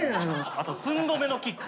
あと寸止めのキック。